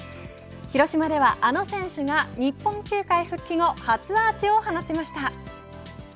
広島では、あの選手が日本球界復帰後初アーチを放ちました。